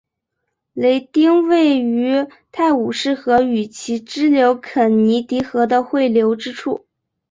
雷丁位于泰晤士河与其支流肯尼迪河的汇流之处。